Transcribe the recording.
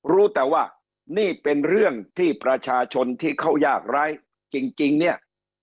รู้แต่ว่านี่เป็นเรื่องที่ประชาชนที่เขายากร้ายจริงเนี่ย